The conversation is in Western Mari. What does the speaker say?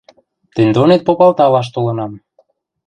Тӹнь донет попалталаш толынам.